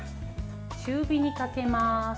中火にかけます。